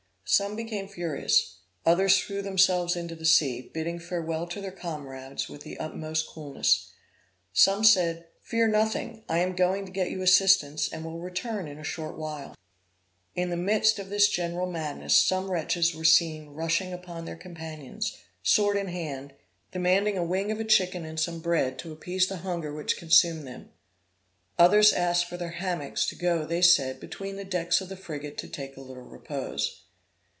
Some became furious; others threw themselves into the sea, bidding farewell to their comrades with the utmost coolness. Some said 'Fear nothing; I am going to get you assistance, and will return in a short while.' In the midst of this general madness, some wretches were seen rushing upon their companions, sword in hand, demanding a wing of a chicken and some bread to appease the hunger which consumed them; others asked for their hammocks to go, they said, between the decks of the frigate to take a little repose.